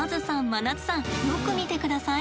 真夏さんよく見て下さい。